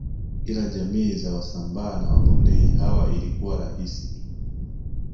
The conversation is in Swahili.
Ila jamii za wasambaa na wabondei hawa ilikuwa rahisi tu